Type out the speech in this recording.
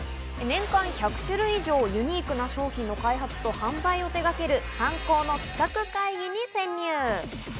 年間１００種類以上、ユニークな商品の開発と販売を手がけるサンコーの企画会議に潜入。